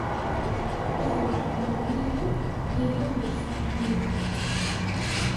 Ad ruḥeɣ ɣer Yillu yellan d lferḥ-iw.